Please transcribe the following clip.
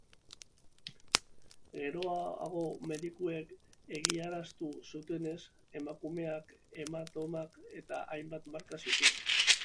Gerora medikuek egiaztatu zutenez, emakumeak hematomak eta hainbat marka zituen.